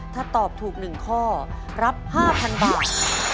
ถ้าตอบถูก๑ข้อรับ๕๐๐๐บาท